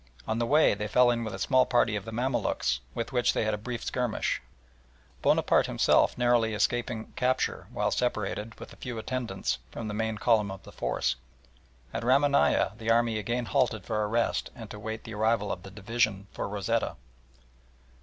On the way they fell in with a small party of the Mamaluks, with which they had a brief skirmish, Bonaparte himself narrowly escaping capture while separated, with a few attendants, from the main column of the force. At Ramanieh the army again halted for a rest and to await the arrival of the division for Rosetta.